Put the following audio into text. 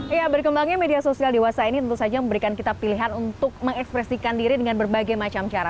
iya berkembangnya media sosial dewasa ini tentu saja memberikan kita pilihan untuk mengekspresikan diri dengan berbagai macam cara